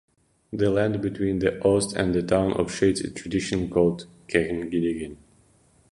The land between the Oste and the town of Stade is traditionally called Kehdingen.